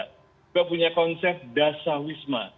kita punya konsep dasawisma